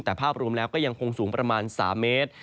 แต่ภาพรวมแล้วก็ยังคงสูงประมาณ๓เมตร